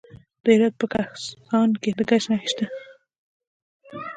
د هرات په کهسان کې د ګچ نښې شته.